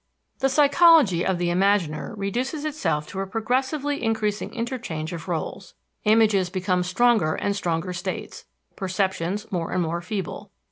The psychology of the imaginer reduces itself to a progressively increasing interchange of rôles. Images become stronger and stronger states; perceptions, more and more feeble.